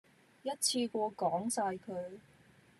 一次過講曬佢